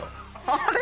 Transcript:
あれ？